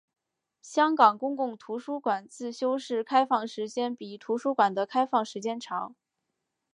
香港公共图书馆自修室开放时间比图书馆的开放时间长。